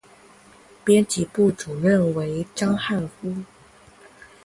编辑部主任为章汉夫。